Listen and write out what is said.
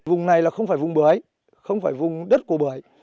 vùng này là không phải vùng bưởi không phải vùng đất của bưởi